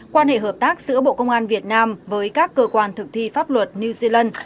quan hệ hợp tác giữa bộ công an việt nam với các cơ quan thực thi pháp luật new zealand